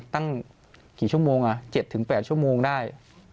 ตั้งกี่ชั่วโมง๗๘ชั่วโมงได้